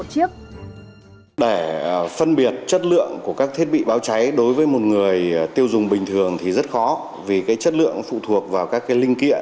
để phân biệt chất lượng của các thiết bị báo cháy đối với một người tiêu dùng bình thường thì rất khó vì chất lượng phụ thuộc vào các cái linh kiện